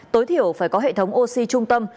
tối thiểu phải có hệ thống oxy trung tâm